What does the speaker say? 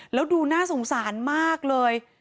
แล้วดูน่าสงสารมากเลย